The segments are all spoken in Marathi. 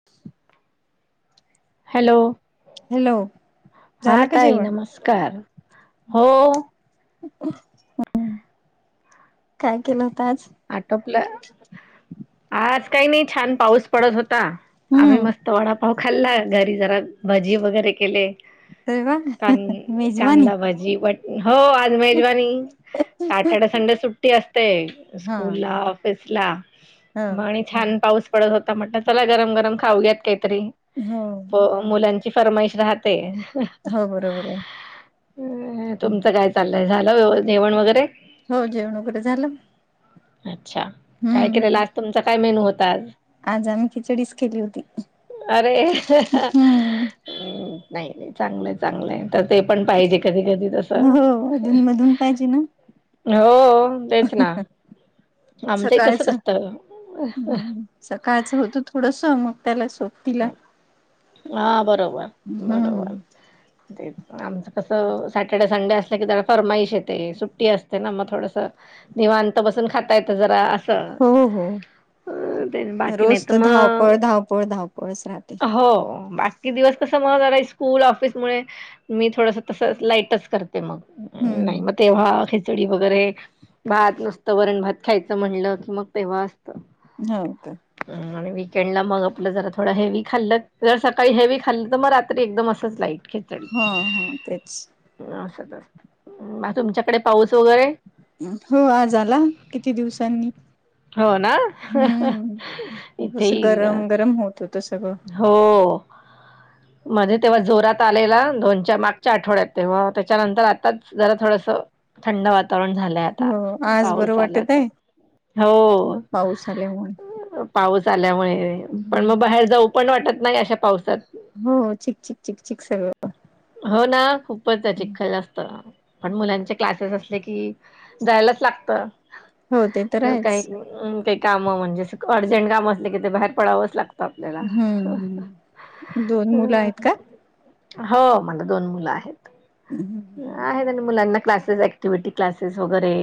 [inaudible] हॅलो, हॅलो हा झालं का ताई जेवण? नमस्कार हो, काय केलं होत. आज आटोपलं आज काही नाही. छान पाऊस पडत होता. आम्ही हम्म मस्त वडापाव खाल्ला घरी जरा, भाजी वगैरे केले. अरे वा कान मेजवानी. कांदाभजी वाट हो, आज मेजवानी सॅटर्डे संडे सुट्टी असते हा स्कूल ला. पिसला हा. मग आणि छान पाऊस पडत होता म्हटलं, चला गरम गरम खाऊयात काहीतरी हो, हो, मुलांची फर्माईश राहते. हो, बरोबर आहे. चालंय झाल. व्यवस्थित जेवण वगैरे, हो, जेवण वगैरे झाल. अच्छा काय केलेला, आज तुमचा काय मेन्यू होता. आज आज आम्ही खिचडीच केली होती. अरे हम्म. हम्म, नाही नाही, चांगलंय- चांगलंय, तर ते पण पाहिजे कधी -कधी. हो, अधून मधून पाहिजे ना, हो हो, तेच ना, आमचंही तसच सकाळच असतं हम्म, सकाळचं होतं. थोडस मग त्याला सोप हा बरोबर, हम्म. बरोबर ते आमचं कसं सॅटर्डे संडे असलं की जरा फरमाईश येते सुट्टी असते ना मग थोडस निवांत बसून खाता येत जरा. हो हो बाकी नाही तर मग पळ धावपळच राहते. हो बाकी दिवस कस म जरा स्कूल ऑफिस मुळे मी थोडस तस लाईटच करते. ते मग नाही हम्म. मग तेव्हा खिचडी वगैरे भात नुसतं वरण भात खायचं म्हणलं कि मग तेव्हा असतं. हो का. ह आणि वीकेंड ला मग आपलं जरा थोडं हेवी खाल्ल ज सकाळी हेवी खाल्ल तर मग रात्री एकदम असंच लाईट ख हा हा तेच. असंच असतं. तुमच्याकडे पाऊस वगैरे? हो आज आला किती दिवसांनी. हो ना हम्म खूप इथे असं ही गरम गरम होत हो. ह [unintelligible] मध्ये तेव्हा जोरात आलेला दोनच्या मागच्या आठवड्यात तेव्हा त्याच्यानंतर आताच जरा थोडस थंड वातावरण झालंय आता हो आज बरं पाऊस आलात वाटत तर. आहे हो पाऊस आल्यामुळे पाऊस आल्यामुळे पण मग हम्म बाहेर जाऊ पण वाटत नाही अशा पावसात. हो चीक, चीक, चीक सगळं. हो ना खूपच ते चिख्खल असतं. पण मुलांचे क्लासेस असले की जायलाच लागत. हो ते तर आहेच काही, काही काम म्हणजे अर्जंट काम असले की ते बाहेर पडावच लागत. हम्म, दोन मुलं आहेत हम्म. का? हो मला दोन मुलं आहेत. ह हमम [unintelligible] आहे मुलांना क्लासेस ऍक्टिव्हटी क्लासेस वगैरे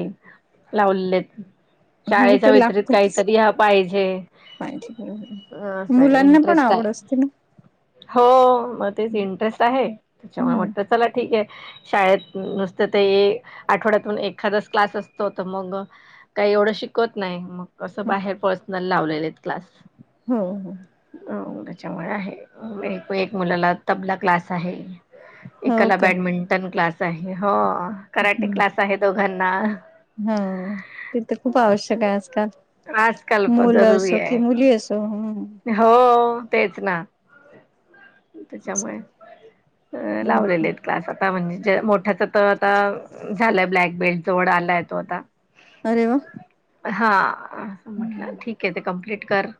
लावलेले आहेत. हो शाळेच्या ते व्यतिरत काहीतरी बाहेर हे माहिती बरोबर, मुलांना पण आहे आवड असते ना. हो मग तेच इंटरेस्ट आहे त्याच्यामुळे हम्म वाटत चला ठीक आहे. शाळेत नुसत ते आठवड्यात एखादाच क्लास असतो तर मग काही एवढं शिकवत नाही मग असं बाहेर पर्सनल लावलेले क्लास. हो. हो त्याच्यामुळे आहे एक एक मुलाला तबला क्लास आहे. हो एकला काय बॅडमिंटन क्लास आहे हो कराटे क्लास आहे दोघांना. हा ते तर खूप आवश्यक आहे आज काल आजकाल पण मुल जरुरी असो कि आहे मुली असो हम्म. हो व तेच ना त्याच्यामुळे [unintelligible] ह हम्म. लावलेले त. क्लास आता म्हणजे मोठ्याच तर आता झालंय ब्लॅक बेल्ट जवळ आलाय तो आता. अरे वा. हा आता ठीक आहे ते कम्प्लीट कर.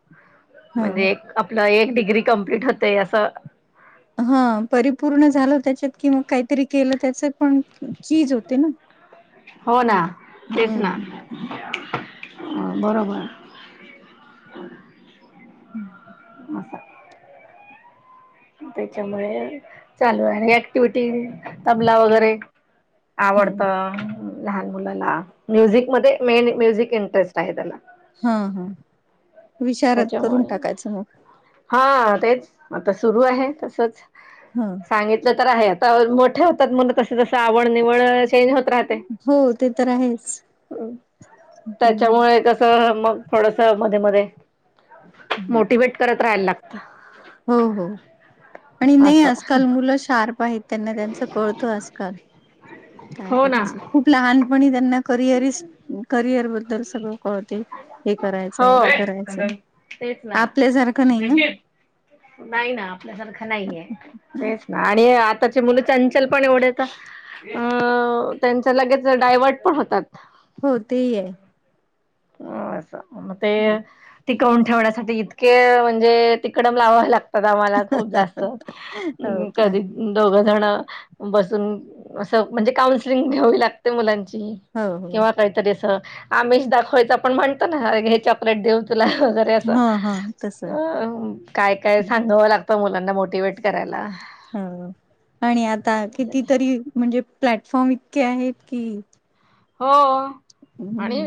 हो म्हणजे एक आपलं एक डिग्री कंप्लीट होतेय असं. हा. परिपूर्ण झालं त्याच्यात कि मग काहीतरी केलं त्याच पण चीज होत ना? हो ना. तेच ना. हम्म बरोबर. हम्म. असं त्याच्यामुळे चालू आहे. ऍक्टिव्हिटी तबला वगैरे- हो आवडत लहान मुलाला. म्युझिक मध्ये मेन म्युझिक इंटरेस्ट आहे त्याला. हं. हं. त्याच्यामुळे- मग हा. तेच आता सुरू आहे तसच. हं. सांगितलं तर आहे. आता मोठे होतात मुल तस तस आवड निवड चेंज होत - राहते. हो ते तर आहेच. हं, त्याच्यामुळे कस मग? थोडस मध्ये मध्ये हं. मोटिवेट करत राहायला लागतं. हो. हो. आणि नाही असं आजकाल मुलं शार्प आहेत. त्यांना त्यांचं कळतं आजकाल. काय हो ना करायचं? खूप लहानपणी त्यांना करिअरीस्ट करिअर बद्दल सगळं कळते. हे हो करायचंय. ते करायचंय. तेच ना आपल्यासारखं नाही ना? नाही ना. आपल्यासारखं नाहीए. तेच ना. आणि- आत्ताचे मुलं चंचल पण एवढे ए का, अ- त्यांच्या लगेच डायवर्ट पण होतात. हो तेही आहे. अं. अस. म ते - टिकवून ठेवण्यासाठी इतके म्हणजे तिकडम लावाव लागत. मला खूप जास्त. हो का कधी- दोघ जण बसून असं, म्हणजे काउन्सलिंग घ्यावी लागते मुलांची. हो हो किंवा काहीतरी अस आमिष दाखवायच. आपण म्हणतो ना? आणि हे चॉक - -लेट देईन तुला वगैरे असं. हा हा तस अं. काय काय सांगावं लागतं मुलांना मोटिवेट करायला. हो. आणि आता कितीतरी म्हणजे प्लॅटफॉर्म इतके आहेत की- हो. आणि हम्म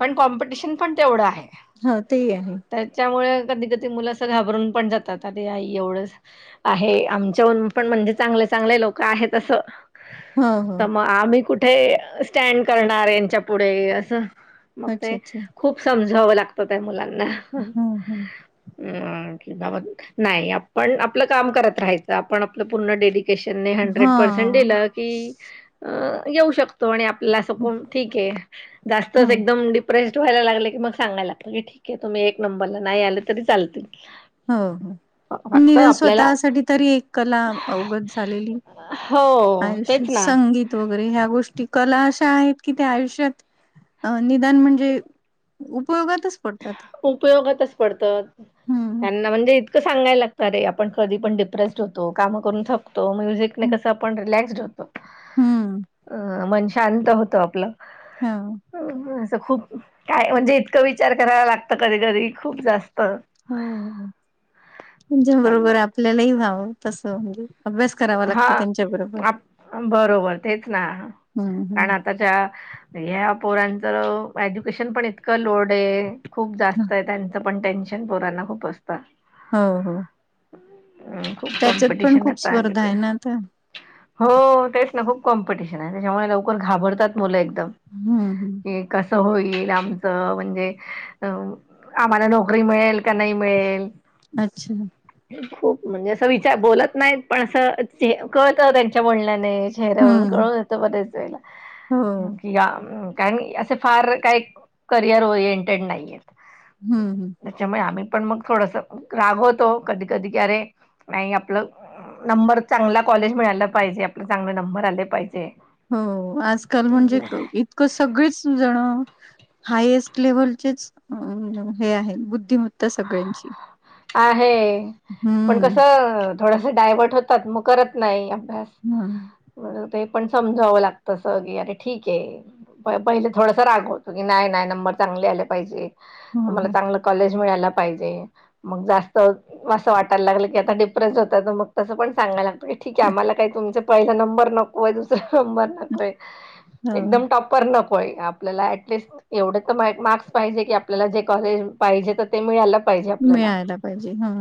पण कॉम्पिटिशन पण तेवढं आहे. हा. तेही आहे. त्याच्यामुळे कधी कधी मुलं अस घाबरून पण जातात. [unintelligible] आई एवढंच आहे. आमच्याहून पण म्हणजे चांगले चांगले लोक आहेत असं. ह हो त म आम्ही कुठे स्टँड करणार यांच्या पुढे असं. मग अच्छा ते अच्छा खूप समजवावं लागतं ते त्या मुलांना. हम्म. हम्म. अं. की बाबा नाही आपण आपलं काम करत राहायचं. आपण आपलं पूर्ण डेली- -केशननी हा हंड्रेड परसेंट दिलं की अ -येऊ शकतो. आणि आप - - ल्याला अस हो कोण, ठीक आहे. जास्तच एकदम डीप - -प्रेस व्हायला लागले की मग सांगायला लागत की ठीके तुम्ही एक नंबरला नाही आले तरी चालत. हो. हो निदान स्वतःसाठी तरी एक कला अवगत झालेली- हो आयुष्य तेच ना संगीत- वगैरे. ह्या गोष्टी कला अशा आहेत की त्या आयुष्यात अ निदान म्हणजे- उपयोगातच - उपयोगातच पडत हम्म त्यांना. म्हणजे- इतकं सांगायला लागत अरे आपण कधी पण डिप्रेस्ड होतो. काम करून थक - -तो. म्युझिकने कस आपण रिलॅक्स होतो. हम्म अ- म्हणजे- शांत होतो आपलं हा. असं खूप, काय म्हणजे इतकं विचार करायला लागतं कधी कधी खूप जास्त. ह तुच्या चालू बरोबर असत आपल्यालाही हवं तसं म्हणजे. अभ्यास करावा हा लागतो त्यांच्या बरोबर. आप बरोबर तेच ना हम्म हम्म. कारण आताच्या ह्या पोरांचं एज्युकेशन पण इतकं लोड आहे. खूप जास्त आहे त्यांचं पण टेन्शन पोरांना खूप असतं. हो हो. अ खूप त्याच्यात पण कॉम्पिटिशन आहे खूप प्रायव्हेट. स्पर्धा आहे ना तर. हो तेच ना खूप कॉम्पिटिशन आहे, त्याच्यामुळे लवकर घाबरतात मुलं एकदम. हम्म हम्म. क कसं होईल आमचं म्हणजे अ आम्हाला नोकरी मिळेल, का नाही मिळेल. अच्छा! खूप म्हणजे अस विचार बोलत नाहीत. पण असं कळत त्यांच्या बोलण्याने. चेहऱ्यावरून हम्म कळून येतो बरेच वेळेला हो कारण असे फार काही करिअर ओरिएंटेड नाहीय आहेत. हम् हम्. त्याच्यामुळे आम्ही पण मग थोडस रागवतो कधी कधी की अरे नाही आपलं नंबर चांगला कॉलेज मिळायाला पाहिजे. आपले चांगले नंबर आले पाहिजे. हो आजकाल म्हणजे इतकं सगळीच जणं. हायएस्ट लेव्हलचेच हे आहे, बुद्धिमत्ता सगळ्यांची. आहे पण हम्म. कसं थोडस डायवर्ट होतात मग करत नाही अभ्यास. हम्म. म्हणजे ते पण समजावं लागत स की, अरे ठीक आहे. पहिले थोडासा रागवतो की नाही नाही नंबर चांगले आले पाहिजे. ह तुम्हाला ह चांगलं कॉलेज मिळायला पाहिजे. मग जास्त असं वाटायला लागत की आता डिफ्रेश होतात, तर मग तसं पण सांगायला लागतं. ठीक आहे आम्हाला काही तुमच पहिला नंबर नकोय, दुसरा नंबर नकोय हो एकदम टॉप पर नकोय आपल्याला ऍटलीस्ट एवढं तर मार्क्स पाहिजे की आपल्याला जे कॉलेज पाहिजे तर ते मिळायला पाहिजे. आपल्याला मिळायला पाहिजे हा.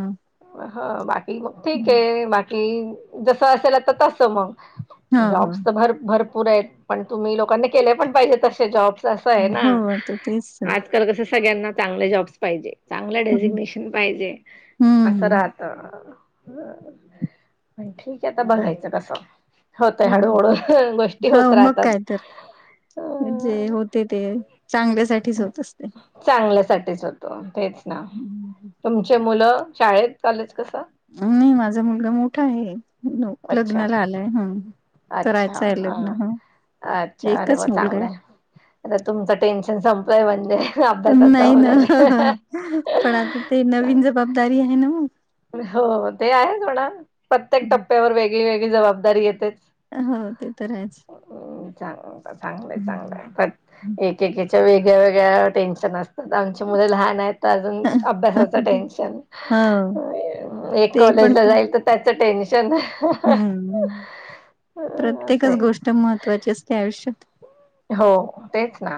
ह बाकी मग ठीक आहे, बाकी जस असेल तर तसं मगं. हा हा जॉब्स तर भर भरपूर आहेत, पण तुम्ही लोकांनी केले पण पाहिजे तसे जॉब्स. असं आहे ना. हो हो आता तेच तर कसं सगळ्यांना चांगले जॉब्स पाहिजे, चांगलं हं हं. डेझिग्नेशन पाहिजे, हम्म असं हम्म. राहत. हा. ठीक आहे आता बघायचं कसं. होतय हो हळूहळू गोष्टी होत राहतात. म्हणजे अ होते ते चांगल्यासाठीच होत असते. चांगल्यासाठीच होतो तेच ना, तुमचे मुलं शाळेत, कॉलेज कसं. नाही माझा मुलगा मोठा आहे. अच्छा लग्नाला आलाय आहे, हम करायचं आहे लग्न हा. अच्छा अरे मग चांगलंय अरे तुमचं टेन्शन संपलंय म्हणजे. अभ्यासाचं नाही ना वगैरे पण आता ते नवीन चांग जबाबदारी आहे ना मग. हो ते आहेथोडा प्रत्येक टप्प्यावर वेगळी वेगळी जबाबदारी येतेच. हो ते तर आहेच. हो चांग चांगलंय चांगलंय खत एकेकीच्या वेगळ्या वेगळ्या टेन्शन असतात आमच्या मुले लहान आहेत. तर अजून अभ्यासाच टेनशन हो एक ते पण कॉलेजला खूप जाए तर त्याचं टेन्शन. हम्म असं प्रत्येकच आहे. गोष्ट महत्त्वाची असते आयुष्यात. हो तेच ना.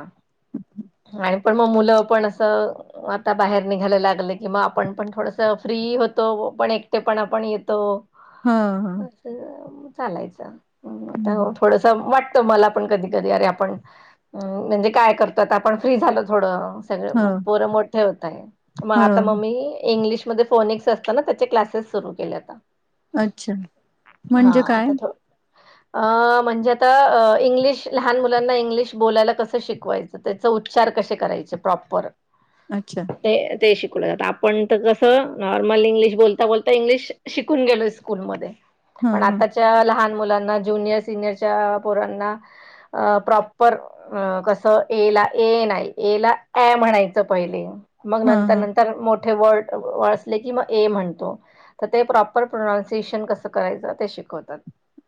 आणि पण मं मुलं पण असं आता बाहेर निघायला लागलं कि आपण पण थोडस फ्री होतो पण एकटे पणा पण येतो. हां हां. [inaudible] चालायच त्यावरून [unintelligible] थोडसा वाट ते मला पण कधी-कधी अरे आपण अ म्हणजे काय करतात आपण फ्री झालो थोडं. हो पोरं मोठे होताय म आता हो मम्मी इंग्लिश मध्ये फोनिक्स असतं ना त्याचे क्लासेस सुरू केले आता. अच्छा हा म्हणजे काय आता थोडं अं म्हणजे आता अ इंग्लिश लहान मुलांना इंग्लिश बोलायला कसं शिकवायचं? तर त्याचा उच्चार कसे करायचे प्रॉपर. अच्छा. ते ते शिकवलं जातं आपण तर कसं नॉर्मल इंग्लिश बोलता बोलता इंग्लिश शिकून गेलो स्कूलमध्ये पण हां, हां. आताच च्या लहान मुलांना ज्युनियर सिनियरच्या पोरांना अ प्रॉपर अ कसं ए ला ए नाही अ म्हणायचं पहिले मग हां, नंतर हां. नं तर मोठे वर्ड असले की म ए म्हणतो. तर ते प्रॉपर प्रोनाउन्सिएशन कसं करायचं ते शिकवतात.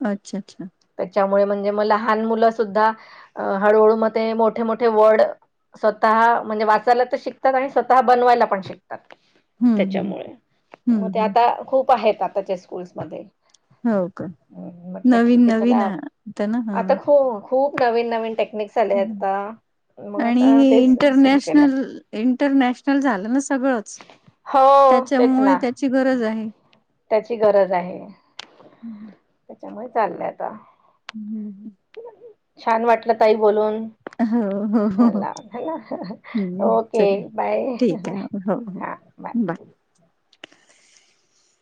अच्छा अच्छा. त्याच्यामुळे म्हणजे म लहान मुलं सुद्धा अ हळूहळू म ते मोठे मो ठे वर्ड स्वतः म्हणजे वाचायला तर शिकतात आणि स्वतः बनवायला पण शिकतात. हं, हं. त्यामुळे म हं, ते हं. आता खूप आहेत आताच्या स्कूल्समध्ये. हो का. हम्म म्हटलं ठीक आहे नवीन-नवीन चला आ होतं ना. आता हां. खो खूप नवीन-नवीन टेक्निक्स आले हं. आता. मग आणि आता हे तेच सुरू केलं इंटरनॅशनल इंटरनॅशनल झालं ना सगळंच हो तेच त्याच्यामुळे ना त्याची गरज आहे. त्याची गरज आहे. हम्म हम्म. च्यामुळे चाललंय आता. हम्म हम्म. छान वाटलं ताई बोलून. हो हो हो ला हम्म ओके चला बाय ठीक आहे. हो हो बाय.